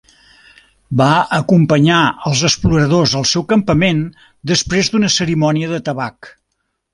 Va acompanyar als exploradors al seu campament després d'una cerimònia de tabac.